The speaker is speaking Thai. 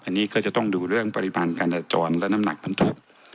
อันนี้ก็จะต้องดูเรื่องปริมาณการจราจรและน้ำหนักมันถูก